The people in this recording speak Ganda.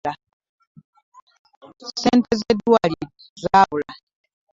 Ssente ze ddwaaliro zaabula.